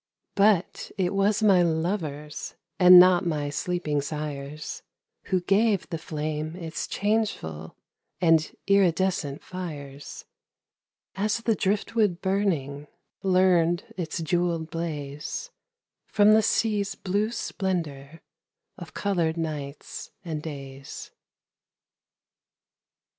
But it was my lovers, And not my sleeping sires, Who gave the flame its changeful And iridescent fires; As the driftwood burning Learned its jewelled blaze From the sea's blue splendor Of colored nights and days.